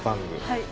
はい。